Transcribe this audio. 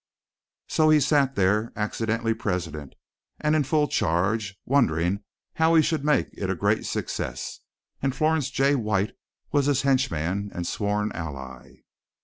So he sat there, accidentally president, and in full charge, wondering how he should make it a great success, and Florence J. White was his henchman and sworn ally.